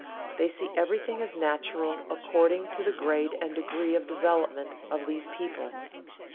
They see everything as natural according to the grade and degree of development of these people.